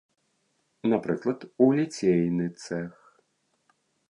Напрыклад, у ліцейны цэх.